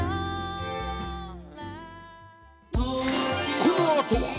このあとは